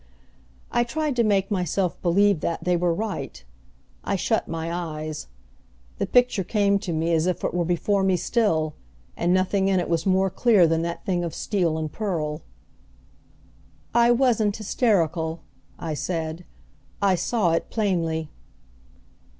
I tried to make myself believe that they were right; I shut my eyes. The picture came to me as if it were before me still, and nothing in it was more clear than that thing of steel and pearl. "I wasn't hysterical," I said, "I saw it plainly."